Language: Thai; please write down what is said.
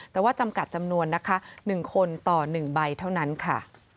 แต่ว่าจำกัดจำนวนนะคะ๑คนต่อ๑ใบเท่านั้นค่ะ